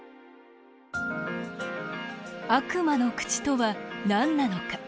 「悪魔の口」とはなんなのか。